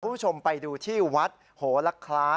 คุณผู้ชมไปดูที่วัดโหลักคล้า